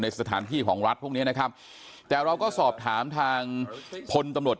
สถานที่ของรัฐพวกนี้นะครับแต่เราก็สอบถามทางพลตำรวจ